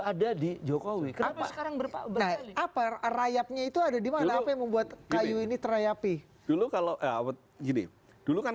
ada di jokowi sekarang berapa berapa rayapnya itu ada di mana membuat kayu ini terayapi dulu kalau